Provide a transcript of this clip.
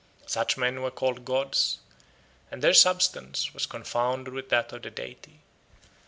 Such men were called gods, and their substance was confounded with that of the deity.